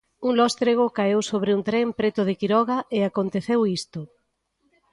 Un lóstrego caeu sobre un tren preto de Quiroga e aconteceu isto.